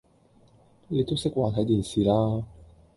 你都識話睇電視啦